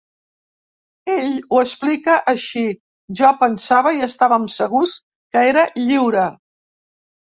Ell ho explica així: Jo pensava i estàvem segurs que era lliure.